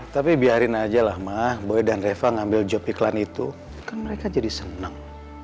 tapi biarin aja lah ma boy dan reva ngambil job iklan itu kan mereka jadi senang